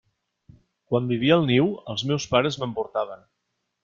Quan vivia al niu, els meus pares me'n portaven.